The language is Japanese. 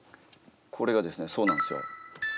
これがですねそうなんですよ。